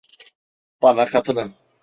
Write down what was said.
Bana katılın.